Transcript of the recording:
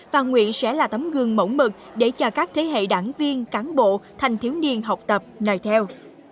và nguyện sẽ là tấm gương mẫu mực để cho các thế hệ đảng viên cán bộ thành thiếu niên học tập nòi theo